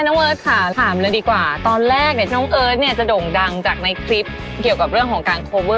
ไอ้น้องเอิ้ดค่ะถามเลยดีกว่าตอนแรกนวยังเนี้ยว่าจะด่งดังจากในคลิปเกี่ยวกับเรื่องของการ